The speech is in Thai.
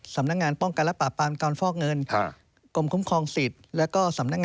สำนักงานป้องกันและปรับปรามการฟอกเงิน